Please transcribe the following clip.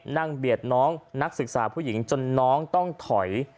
เบียดน้องนักศึกษาผู้หญิงจนน้องต้องถอย